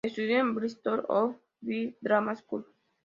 Estudió en el Bristol Old Vic Drama School.